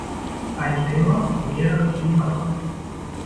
Ein Schema, mehrere Schemata.